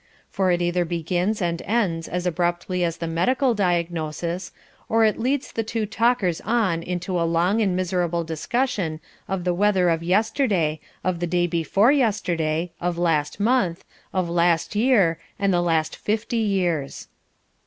For it either begins and ends as abruptly as the medical diagnosis, or it leads the two talkers on into a long and miserable discussion of the weather of yesterday, of the day before yesterday, of last month, of last year and the last fifty years.